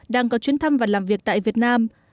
đang có chuyến thăm và làm việc tại việt nam